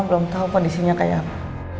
mama belum tau kondisinya kayak apa